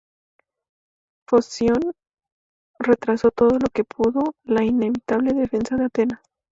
Foción retrasó todo lo que pudo la inevitable defensa de Atenas.